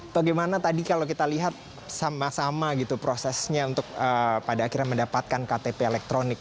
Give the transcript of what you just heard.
bagaimana tadi kalau kita lihat sama sama gitu prosesnya untuk pada akhirnya mendapatkan ktp elektronik